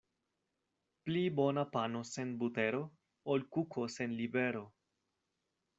Pli bona pano sen butero, ol kuko sen libero.